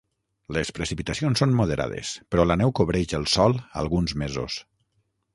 Les precipitacions són moderades, però la neu cobreix el sòl alguns mesos.